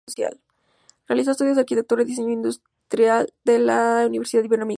Realizó estudios de arquitectura y diseño industrial en la Universidad Iberoamericana.